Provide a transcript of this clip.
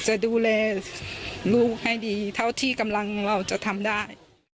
จะดูแลลูกให้ดีเท่าที่กำลังเราจะทำได้